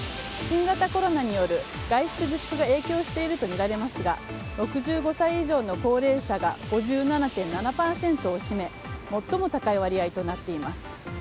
新型コロナによる外出自粛が影響しているとみられますが６５歳以上の高齢者が５７．７％を占め最も高い割合となっています。